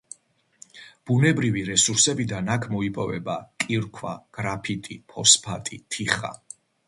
ბუნებრივი რესურსებიდან აქ მოიპოვება, კირქვა, გრაფიტი, ფოსფატი, თიხა.